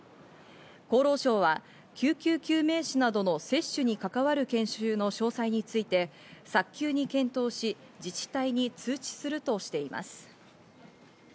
厚労省は救急救命士などの接種に関わる研修の詳細について早急に検討し、自治体に通知するとしています。